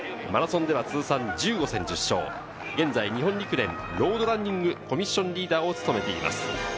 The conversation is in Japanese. マラソンでは通算１５戦１０勝、現在、日本陸連ロードランニングコミッションリーダーを務めています。